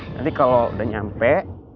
nanti kalo udah nyampe